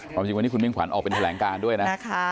จริงวันนี้คุณมิ่งขวัญออกเป็นแถลงการด้วยนะ